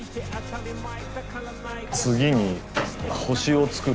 次に星を作る。